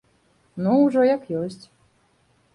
Ну, ужо як ёсць.